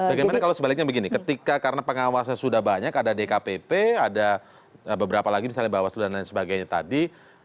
bagaimana kalau sebaliknya begini ketika karena pengawasnya sudah banyak ada dkpp ada beberapa lagi misalnya bawaslu dan lain sebagainya tadi